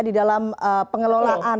di dalam pengelolaan